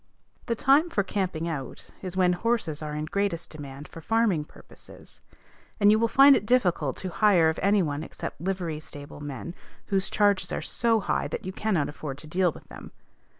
The time for camping out is when horses are in greatest demand for farming purposes; and you will find it difficult to hire of any one except livery stable men, whose charges are so high that you cannot afford to deal with them.